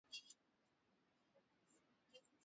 utamaduni wa magharibi ulichukua nafasi yake